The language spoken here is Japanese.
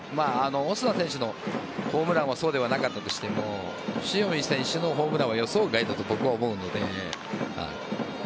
オスナ選手のホームランはそうではなかったとしても塩見選手のホームランは予想外だと僕は思うので。